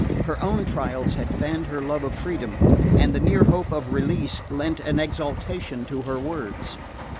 Her own trials had fanned her love of freedom, and the near hope of release lent an exaltation to her words.